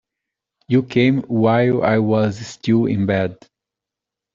You came while I was still in bed.